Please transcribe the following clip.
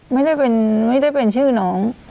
ไม่ได้เป็นชื่อน้อง